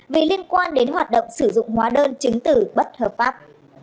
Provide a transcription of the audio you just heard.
vì liên quan đến hoạt động sử dụng hóa đơn chứng tử bất hợp pháp